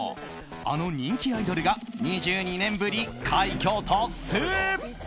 あの人気アイドルが２２年ぶり快挙達成。